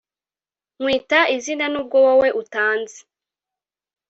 nkwita izina, n’ubwo wowe utanzi.